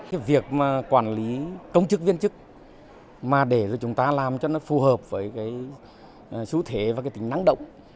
cái việc mà quản lý công chức viên chức mà để cho chúng ta làm cho nó phù hợp với cái xu thế và cái tính năng động